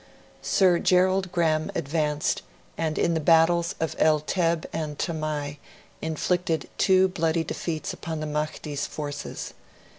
Sir Gerald Graham advanced, and in the battles of El Teb and Tamai inflicted two bloody defeats upon the Mahdi's forces.